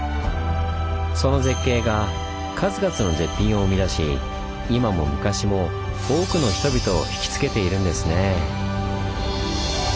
その「絶景」が数々の「絶品」を生み出し今も昔も多くの人々を引きつけているんですねぇ。